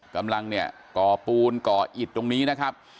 กำลังเนี่ยก่อปูนก่ออิดตรงนี้นะครับ